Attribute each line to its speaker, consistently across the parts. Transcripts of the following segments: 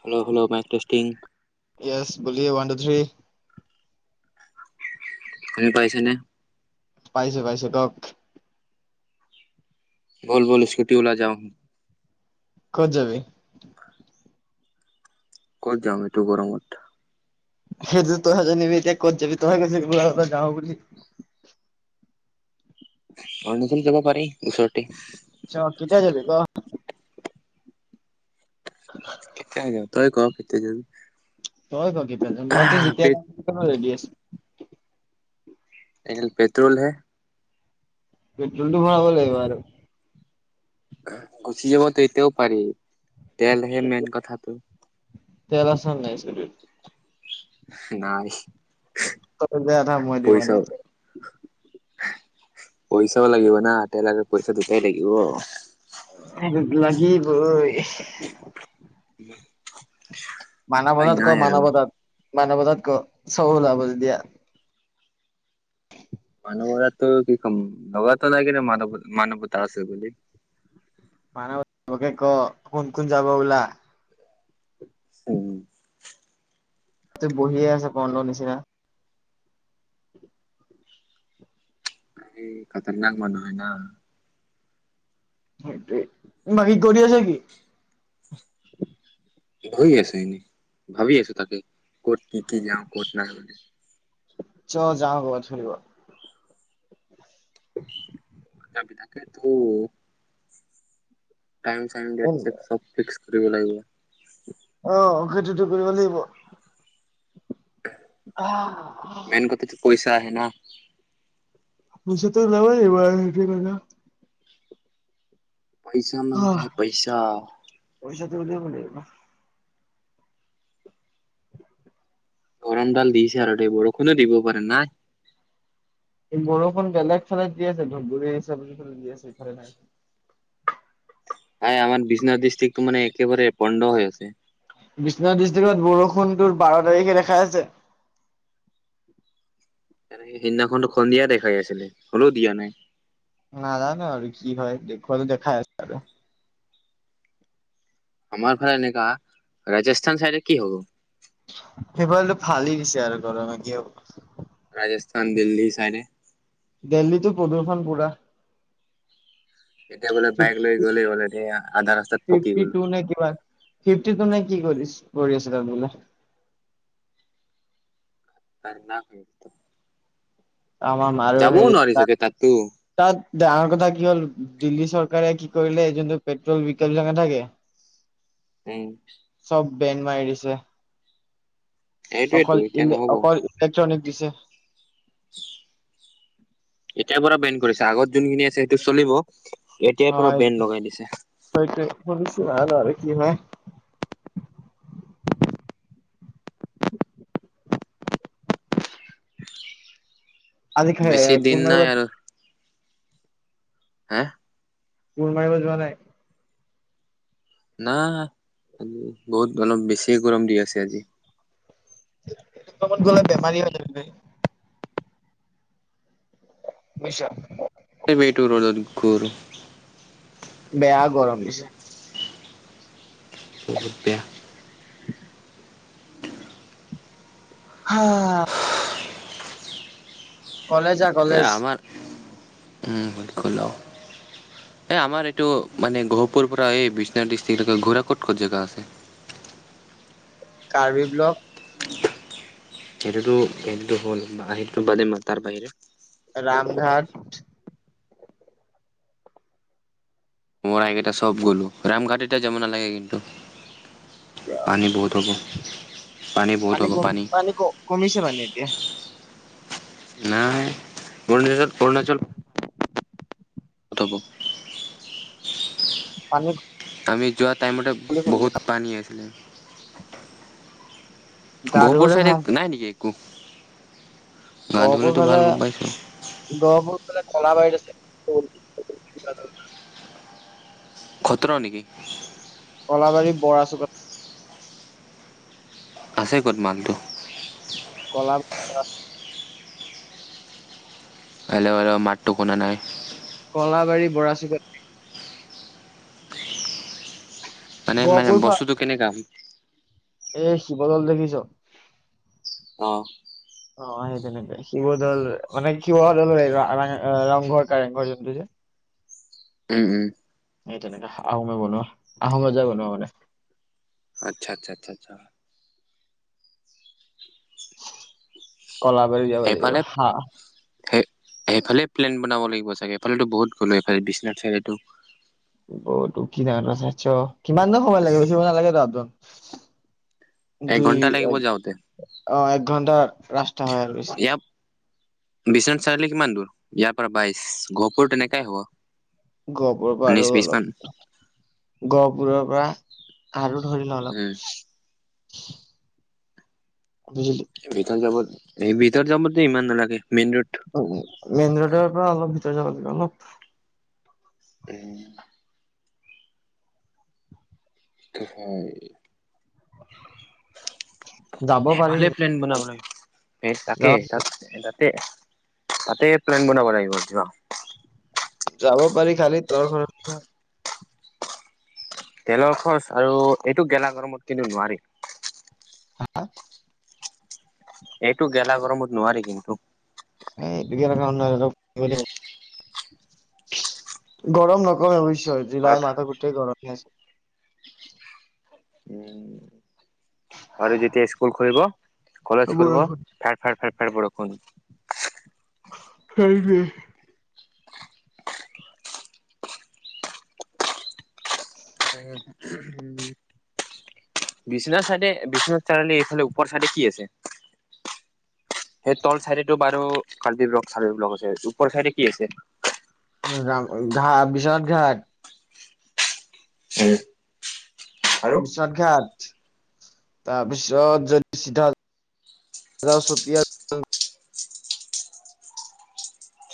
Speaker 1: Hello hello Mike testing
Speaker 2: ছ বলিে ন টু থ্ৰী
Speaker 1: তুমি পাইছ নে
Speaker 2: পাইছো পাইছো কওক
Speaker 1: বল বল স্কুটি ওলাই যাওঁ
Speaker 2: কত যাবি
Speaker 1: ক'ত যাম এইটোু গৰমত
Speaker 2: সেইটো তইহ জ নিবিি এতিয়া ক'ত যাবি তোম কছে গলা বলা যও বুলি
Speaker 1: অৰুণাচল যাব পাৰি ওচৰতে
Speaker 2: আ্ছা কেটায়া যাব গ
Speaker 1: কেতিয়া য তই ক ফয়া যাবি
Speaker 2: হয় পকি প মইতয়াৰেড
Speaker 1: পে
Speaker 2: আছে
Speaker 1: এ পেট্ৰ'ল হে
Speaker 2: পেটলটো ভৰাাব লাগিব আৰু
Speaker 1: গুচি যাবতো এতিয়াও পাৰি তেলহে মেইন কথাটো
Speaker 2: তেল আ চান নাইছৰিত
Speaker 1: নাই
Speaker 2: ত দ মদি মান
Speaker 1: পইচা পইচাও লাগিব না তেলাকে পইচা দুটাই লাগিব
Speaker 2: লাগিবই
Speaker 1: হয়
Speaker 2: মানৱতাত ক মানৱতাত মানৱতাত ক চহলাব যে দিয়া
Speaker 1: নৱজাতৰ কি ক নৱজাত্ৰ নাই কিনে মানৱ মানৱতা আছে বুলি
Speaker 2: মান বে ক কোন কোন যাব ওল
Speaker 1: উম
Speaker 2: ত বহিয়ে আছ পনৰৰ নিচিনা
Speaker 1: খতৰনাকক মন হয় ন
Speaker 2: সেইটোৱেই বাকী কৰি আছে কি
Speaker 1: হৈ আছে এনেই ভাবি আছো তাকে ক'ত কি কি যাও ক'ত নাই বুলি
Speaker 2: অ যাওঁ ক'ব ধৰিব
Speaker 1: তাকে ফ্ ফুৰিব লাগিব
Speaker 2: আহ খেইটোটো কৰিব লাগিব হ
Speaker 1: চাহনা
Speaker 2: পচ ত নব নিব
Speaker 1: পইচা নং তায় পইচা
Speaker 2: জলিয় পলো
Speaker 1: গৰম ডাল দিছে আৰু দে বৰষুণো দিব পাৰে নাই
Speaker 2: বৰষুণ বেলেগ ফালে দি আছে ধুবুৰী হিচাপেফালে দি আছে এইফালে নাই
Speaker 1: এই আমাৰ বিশ্বনাথ ডিষ্ট্ৰিকটো মে একেবাৰে পধ হৈ আছে।
Speaker 2: বিশ্বনাথ ডিষ্ট্ৰিক্ত বৰষুণটোৰ বাৰ তাৰিখে দেখা আছে
Speaker 1: এনেকে সেইদিনাখনো সন্ন্দিয়া দেখাই আছিলে হ'লেও দিয়া নাই
Speaker 2: নাজানো আৰু কি হয়ত দেখাই আছে আৰু
Speaker 1: আমাৰ ভালে এনেকাা ৰাজস্থান চাইডে কি হব
Speaker 2: ফেব্ৰুৱাৰটো ভালেই দিছে আৰু গৰমে কিয়
Speaker 1: ৰাজস্থান দিল্লী চাইডে
Speaker 2: দিল্লীটোো প্ৰদূষন পুৰা
Speaker 1: এতিয়া বোলে বাইক লৈ
Speaker 2: ফিফটি
Speaker 1: গ'লেই হ'ল এয়া আধা ৰাস্তাত পকি
Speaker 2: ফিফটি
Speaker 1: গ'লো
Speaker 2: টু নে কিমান ফিফটি ত নাই কি কৰি কৰি আছে ত বোলে
Speaker 1: ত না
Speaker 2: আমাৰ
Speaker 1: যাবও নোৱাৰি চাগে তাতো
Speaker 2: াঙৰ কথা কি হ'ল দিল্লী চৰকাৰে কি কৰিলে যোনটো পেট্ৰল বি চে থাকে
Speaker 1: স
Speaker 2: বেন মাৰ এৰিছে
Speaker 1: সেইটোৱেতো
Speaker 2: অকল
Speaker 1: এতিয়া
Speaker 2: ইলে
Speaker 1: নহ'ব।
Speaker 2: অকল ইলেক্ট্ৰনিক দিছে
Speaker 1: এতিয়াৰ পৰা বেণ্ড কৰিছে আগত যোনখিনি আছে সেইটো চলিব এতিয়াৰ
Speaker 2: অ
Speaker 1: পৰা বেন লগাই দিছে
Speaker 2: স কি হয় আজি খাই
Speaker 1: বেছি
Speaker 2: ক
Speaker 1: দিন নাই আৰু হা
Speaker 2: পল ম এিব যোৱা নাই
Speaker 1: না আি বহুত অলপ বেছিয় গৰম দি আছে আজি
Speaker 2: কত গলে বেমাৰী ল নিছা
Speaker 1: বেইটৰ ল দু কৰ
Speaker 2: বেয়া গৰম দিছে
Speaker 1: বহুত বেয়া
Speaker 2: হ কলেজা কলেজ
Speaker 1: বালকুল অ এই আমাৰ এইটো মানে গহপুৰৰ পৰা এই বিশ্বনাথ ডিষ্ট্ৰিক্টলৈকে ঘোঁৰা ক'ত ক'ত জেগা আছে [inaudible]
Speaker 2: কাৰ্বি ব্লক
Speaker 1: সেইটোতো সেইটোতো হ'ল বা সেইটোটো বাদে মা তাৰ বাহিৰে
Speaker 2: ৰামঘাট
Speaker 1: মোৰ আকেটা সব গ'লো ৰামঘাটিটা যাব নালাগে কিন্তু পানী বহুত হ'ব
Speaker 2: পানী ক পানী কমিছে পানী এতিয়া
Speaker 1: নাই অৰুণাচ অৰুণাচল অথপ
Speaker 2: পানী
Speaker 1: আমি যোৱা টাইমতে
Speaker 2: কমিছে
Speaker 1: বহুত পানী হৈছিলে
Speaker 2: গা
Speaker 1: গহপুৰ
Speaker 2: ধুবলে
Speaker 1: চাইডে
Speaker 2: ভাল।
Speaker 1: নাই নেকি একো গা
Speaker 2: গহপুৰ
Speaker 1: ধুবলৈতো
Speaker 2: ফালে
Speaker 1: ভাল গম পাইছো
Speaker 2: গহপুৰ ফালে কল বাইত আছে
Speaker 1: খত্ৰ নেকি
Speaker 2: কলাবাৰী বৰা চুক
Speaker 1: আছে ক'ত মালটো
Speaker 2: কল
Speaker 1: হলে হলেও মাতটো কোনা নাই
Speaker 2: কলাবাৰী বৰা চুক
Speaker 1: মানে মানে বস্তুটো কেনেককাা
Speaker 2: এ শিৱদল দেখিছ
Speaker 1: অ
Speaker 2: অ', সেই তেনেকে শিৱদৌল মানে শিৱ দৌলৰ ৰংঘৰ কাৰেংঘৰ যোনটো যে
Speaker 1: উম, উম।
Speaker 2: সেই তেনেকে আহোমে বনোৱা আহোম ৰজাই বনোৱা মানে।
Speaker 1: আচ্ছা আচ্ছা আচ্ছা।
Speaker 2: কলাবাৰী যাব লাগিব হা
Speaker 1: সে-সেইফালে প্লেন বনাব লাগিব চাগে এইফালেতো বহুত গ'লো এইফাল বিশ্বনাথ চাৰিলিটো
Speaker 2: [unintelligible] বি কিমাননো সময় লাগে বেচিব নালাগেতো আপ দাউন দুই
Speaker 1: এঘন্টা লাগিব
Speaker 2: এক
Speaker 1: যাওঁতে
Speaker 2: অ', এক ঘণ্টাৰ ৰাস্তা হয় আৰু বেছি।
Speaker 1: ইয়াৰ বিশ্বনাথ চাৰিআলি কিমান দূৰ ইয়াৰ পৰা বাইশ, গঢ়পুৰ তেনেকাই হ'ব।
Speaker 2: গঢ়পুৰৰ পৰা
Speaker 1: উনৈশ
Speaker 2: আৰু
Speaker 1: বিশ মান
Speaker 2: অলপ, গঢ়পুৰৰ পৰা আৰু ধৰি ল অলপ।
Speaker 1: উম
Speaker 2: বুজিলি
Speaker 1: ভিতৰত যাব নি, এই ভিতৰত যাব যে ইমান নালাগে। মেইন
Speaker 2: উ, মেইন ৰোডৰ পৰা অলপ ভিতৰত যাব লাগিব অলপ।
Speaker 1: উম। ত হয়
Speaker 2: যাব পাৰি
Speaker 1: সেইফালে প্লেন বনাব লাগিব, স তাকে
Speaker 2: যাব
Speaker 1: তাত তাত তা তাতে প্লেন বনাব লাগিব যোৱা।
Speaker 2: যাব পাৰি খালি তোৰ ঘৰত
Speaker 1: তেলৰ খৰচ আৰু এইটো গেলা গৰমত কিন্তু নোৱাৰি।
Speaker 2: হা
Speaker 1: এইটো গেলা গৰমত নোৱাৰি কিন্তু।
Speaker 2: এইটো কি [unintelligible] গৰম নকমে বুজিছ, জুলাই
Speaker 1: অলপ
Speaker 2: মাহটো গোটেই গৰমেই আছে।
Speaker 1: উম'। আৰু যেতিয়া স্কুল খুলিব কলেজ খুলিব
Speaker 2: বৰষুণ
Speaker 1: ফাৰ ফাৰ ফাৰ প [unintelligible] বৰষুণ
Speaker 2: [unintelligible]
Speaker 1: উ উম' [unintelligible] বিশ্বনাথ চাইডে বিশ্বনাথ চাৰিআলি এইফালে ওপৰ চাইডে কি আছে? সেই তল চাইডেটো বাৰু কাল ব্লক চাৰ ব্লক আছে, ওপৰ চাইডে কি আছে?
Speaker 2: ঘ-বিশ্বনাথ ঘাট।
Speaker 1: উম'। আৰু
Speaker 2: বিশ্বথ ঘাট, তাৰপিছত যদি চিধ হজ চতীয়া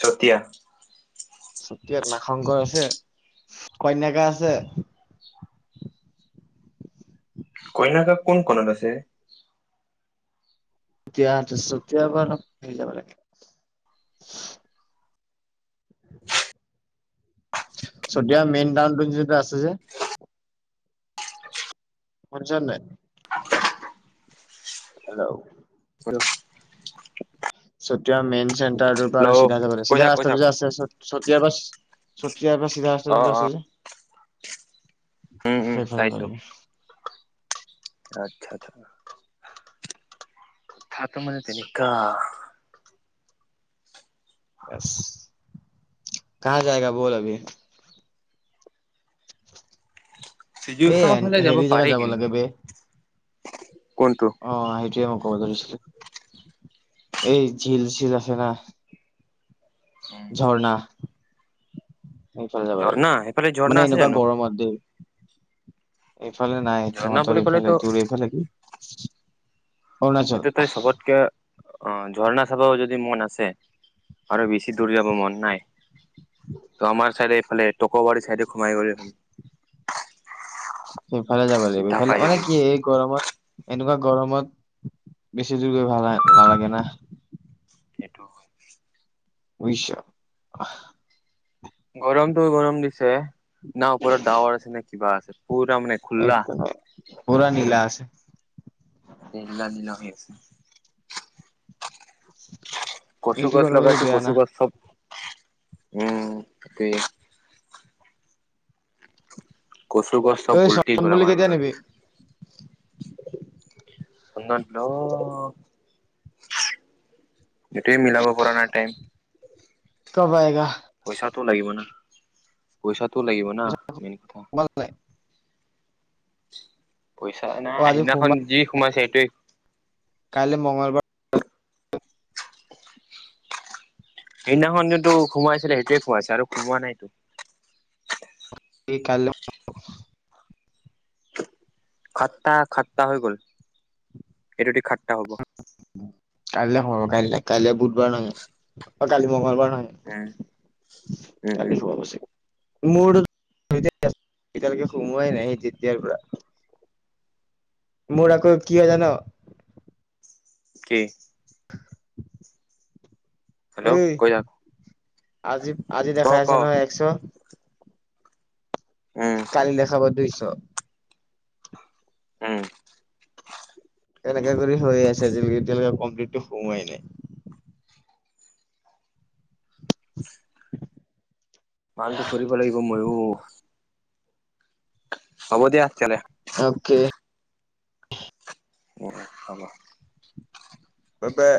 Speaker 1: চতিয়া।
Speaker 2: চতিয়াত নাগশংকৰ আছে, কন্যাকা আছে
Speaker 1: [inaudible] কইন্যাকা কোন কণত আছে?
Speaker 2: তিয়া-চতিয়াৰ পৰা আহ যাব লাগে। চতিয়া মেইন টাউনটো যিটো আছে যে শুনিছ নাই? হেল্ল'।
Speaker 1: [unintelligible]
Speaker 2: চতিয়াৰ মেইন চেণ্টাৰটোৰ পৰা আৰু চিধা যাব লাগিব,
Speaker 1: কৈ
Speaker 2: চিধা
Speaker 1: থাক কৈ থাক
Speaker 2: ৰাস্তাটো যে আছে চতিয়াৰ পৰা চতিয়াৰ পৰা চিধা
Speaker 1: অ
Speaker 2: ৰাস্তাটোত
Speaker 1: অ
Speaker 2: আছে যে।
Speaker 1: উম উম চাইছো।
Speaker 2: [unintelligible]
Speaker 1: আচ্ছা আচ্ছা। কথাটো মানে তেনেকা।
Speaker 2: য়েছ কাহা যায়গা বল আভি
Speaker 1: [unintelligible] ফালে যাব
Speaker 2: জেগাত
Speaker 1: পাৰি
Speaker 2: লাগে বে
Speaker 1: কোনটো?
Speaker 2: অ', সেইটোৱে [unintelligible]
Speaker 1: [inaudible]
Speaker 2: সফালে যাব লাগে
Speaker 1: ঝৰ্ণা সেইফালে
Speaker 2: মানে
Speaker 1: ঝৰ্ণা আছে
Speaker 2: এনেকুৱা
Speaker 1: জানো
Speaker 2: গৰমত দ। এইফালে নাই
Speaker 1: ঝৰ্ণা
Speaker 2: তোহঁতৰ
Speaker 1: বুলি
Speaker 2: এইফালে
Speaker 1: ক'লেতো
Speaker 2: তোৰ এইফালে কি অৰুণাচল
Speaker 1: এটো তাই সবতকে আহ ঝৰ্ণা চাবও যদি মন আছে আৰু বেছি দূৰ যাব মন নাই ত আমাৰ চাইডে এইফালে টকবাৰী চাইডে সোমাই গ
Speaker 2: সেইফালে যাব লাগিব ইফালে মানে কি এই গৰমত এনেকুৱা গৰমত বেছি দূৰ গৈ ভাল নালাগে না।
Speaker 1: সেইটো
Speaker 2: [unintelligible]
Speaker 1: গৰমতটো গৰম দিছে না ওপৰত ডাৱৰ আছে নে কিবা আছে। পুৰা মানে খোলা
Speaker 2: একদম পৰা নীলা আছে।
Speaker 1: [unintelligible] কচু
Speaker 2: এইটো
Speaker 1: গছ
Speaker 2: গৰমে
Speaker 1: লগাইছে
Speaker 2: বেয়া
Speaker 1: কচু
Speaker 2: না
Speaker 1: গছ চব উম তাকয়। কচু গছ চব
Speaker 2: ঐ
Speaker 1: উলটি
Speaker 2: চন
Speaker 1: গ'ল
Speaker 2: বুলি
Speaker 1: আমাৰ
Speaker 2: কেতিয়া
Speaker 1: ঘৰত।
Speaker 2: নিবি
Speaker 1: [unintelligible] এইটয়ে মিলাব পৰা নাই টাইম।
Speaker 2: [unintelligible]
Speaker 1: পইচাটো লাগিব না পইচাটো লাগিব না মেইন কথা। পইচা
Speaker 2: অ
Speaker 1: নাই
Speaker 2: আজি
Speaker 1: সিদিনাখন যি সোমাইছে সেইটোৱে।
Speaker 2: কাইলে মঙলবাৰ
Speaker 1: সেইদিনাখন যিটো সোমাইছে সেইটোৱে পইচা আৰু সোমোৱা নাই।
Speaker 2: এই কাইলৈ
Speaker 1: খাট্টা খাট্টা হৈ গল এইটোদি খাট্টা হব
Speaker 2: কাইলৈ সৰকাই দিলে, কাইলৈ বুধবাৰ ন, অ কালি মঙগলবাৰ
Speaker 1: উম উম
Speaker 2: হয়
Speaker 1: উম
Speaker 2: হোৱাৱশ মোৰ এতিয়ালৈকে সোমোৱাই নাই সেই তেতিয়াৰ পৰা মোৰ আকৌ কি হই জান
Speaker 1: কি হেল্ল'
Speaker 2: এই
Speaker 1: কৈ য
Speaker 2: আজি আজি দেখা আছে নহয় একশ
Speaker 1: উম
Speaker 2: কালি দেখাব দুইশ
Speaker 1: উম
Speaker 2: তেনেকা কৰি হৈ আছে এতিয়ালৈ এতিয়ালৈকে কমপ্লিটটো সোমোৱাই নাই
Speaker 1: ভালটো কৰিব লাগিব ময়ো হ'ব দিয়া তেতিহলে
Speaker 2: অকে
Speaker 1: উম হব
Speaker 2: এপ